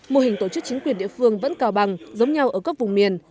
mô hình tổ chức chính quyền địa phương vẫn cao bằng giống nhau ở các vùng miền